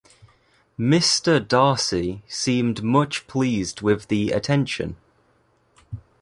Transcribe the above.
Mr. Darcy seemed much pleased with the attention.